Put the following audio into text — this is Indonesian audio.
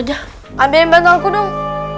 ambilin banteng aku dong